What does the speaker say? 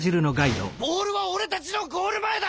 ボールは俺たちのゴール前だ！